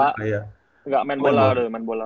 enggak main bola udah main bola